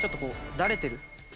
だれてる？